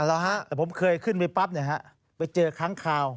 อ๋อเหรอฮะผมเคยขึ้นไปปั๊บนะฮะไปเจอค้างข่าว